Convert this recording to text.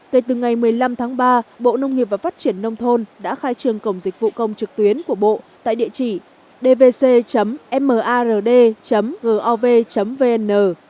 kể từ ngày một mươi năm tháng ba bộ nông nghiệp và phát triển nông thôn đã khai trường cổng dịch vụ công trực tuyến của bộ tại địa chỉ dvc mard gov vn